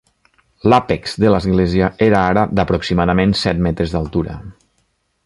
L'àpex de l'església era ara d'aproximadament set metres d'altura.